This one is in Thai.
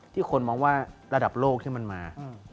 คนมองว่าระดับโลกที่มันมา